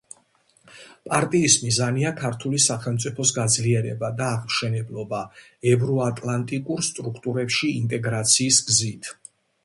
პარტიის მიზანია ქართული სახელმწიფოს გაძლიერება და აღმშენებლობა, ევროატლანტიკურ სტრუქტურებში ინტეგრაციის გზით.